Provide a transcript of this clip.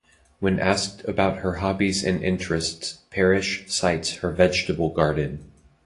When asked about her hobbies and interests Parish cites her vegetable garden.